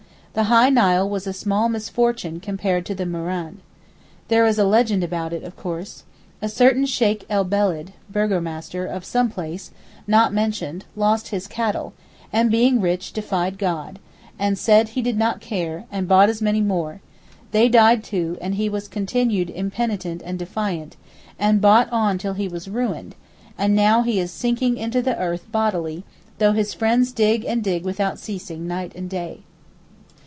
The high Nile was a small misfortune compared to the murrain. There is a legend about it, of course. A certain Sheykh el Beled (burgomaster) of some place—not mentioned—lost his cattle, and being rich defied God, said he did not care, and bought as many more; they died too, and he continued impenitent and defiant, and bought on till he was ruined, and now he is sinking into the earth bodily, though his friends dig and dig without ceasing night and day.